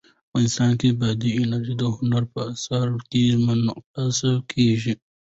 افغانستان کې بادي انرژي د هنر په اثار کې منعکس کېږي.